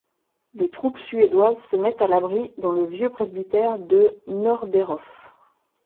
Les troupes suédoises se mettent à l'abri dans le vieux presbytère de Norderhov.